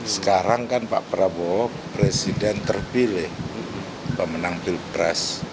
sekarang kan pak prabowo presiden terpilih pemenang pilpres